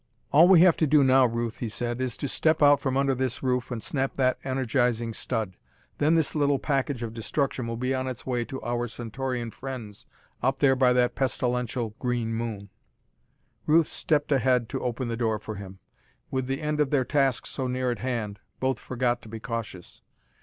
"All we have to do now, Ruth," he said, "is step out from under this roof and snap that energizing stud. Then this little package of destruction will be on its way to our Centaurian friends up there by that pestilential green moon." Ruth stepped ahead to open the door for him. With the end of their task so near at hand, both forgot to be cautious.